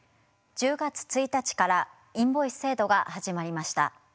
１０月１日からインボイス制度が始まりました。